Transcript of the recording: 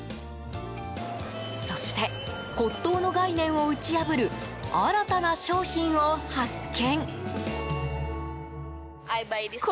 そして骨董の概念を打ち破る新たな商品を発見。